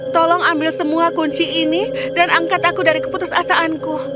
tolong ambil semua kunci ini dan angkat aku dari keputusasaanku